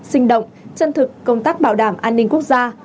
sinh động chân thực công tác bảo đảm an ninh quốc gia